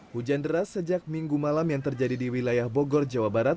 hujan deras sejak minggu malam yang terjadi di wilayah bogor jawa barat